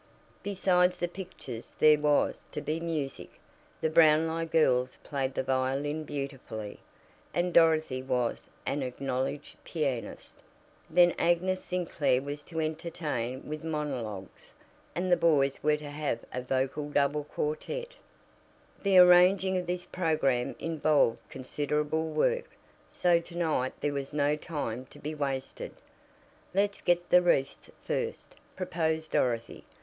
Besides the pictures there was to be music the Brownlie girls played the violin beautifully, and Dorothy was an acknowledged pianist; then Agnes Sinclair was to entertain with monologues, and the boys were to have a vocal double quartette. The arranging of this program involved considerable work, so to night there was no time to be wasted. "Let's get the wreaths first," proposed Dorothy.